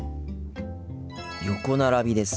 横並びです。